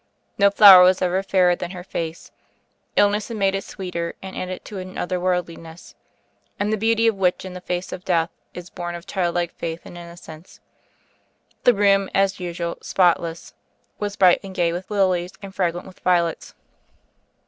No flower was ever fairer than her face — illness had made it sweeter, and added to it an other worldliness, the beauty of which, in the face of death, is born of childlike faith and innocence. The room, as usual, spotless, was bright and gay with lilies, and fragrant with violets.